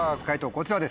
こちらです。